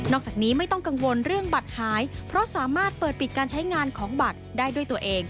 จากนี้ไม่ต้องกังวลเรื่องบัตรหายเพราะสามารถเปิดปิดการใช้งานของบัตรได้ด้วยตัวเอง